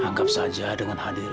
anggap saja dengan hadirnya